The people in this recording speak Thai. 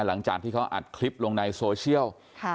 หลังจากที่เขาอัดคลิปลงในโซเชียล